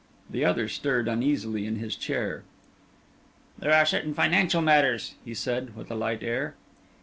The other stirred uneasily in his chair. "There are certain financial matters," he said, with a light air.